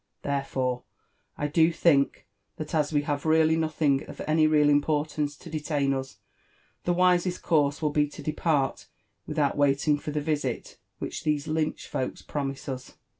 Therefore, I do think, that as we have really nothing of any real importance to detain us, the wisest course will be to depart without waiting for the visit which these Lynch folks pro mise us."